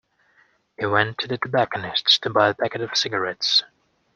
He went to the tobacconists to buy a packet of cigarettes